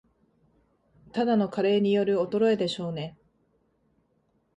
ただの加齢による衰えでしょうね